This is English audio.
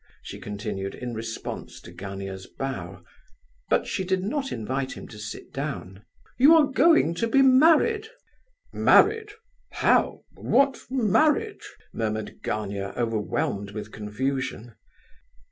she continued, in response to Gania's bow; but she did not invite him to sit down. "You are going to be married?" "Married? how—what marriage?" murmured Gania, overwhelmed with confusion.